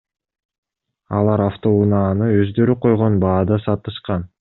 Алар автоунааны өздөрү койгон баада сатышкан.